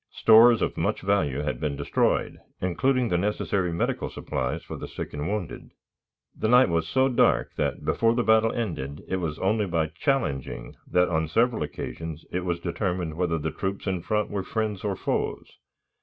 Stores of much value had been destroyed, including the necessary medical supplies for the sick and wounded. The night was so dark that, before the battle ended, it was only by challenging that on several occasions it was determined whether the troops in front were friends or foes.